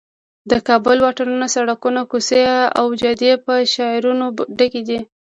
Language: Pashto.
د کابل واټونه، سړکونه، کوڅې او جادې په شعارونو ډک دي.